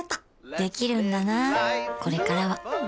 できるんだなこれからはん！